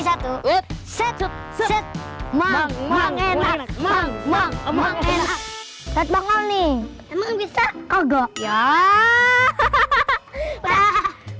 satu set set manggung enak manggung enak bangkong nih emang bisa kogok ya hahaha